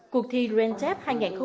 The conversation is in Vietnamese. cuộc thi rensep hai nghìn hai mươi ba